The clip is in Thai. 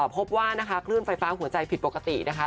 พบว่านะคะคลื่นไฟฟ้าหัวใจผิดปกตินะคะ